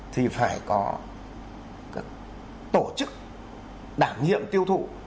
thì phải có tổ chức đảm nhiệm tiêu thụ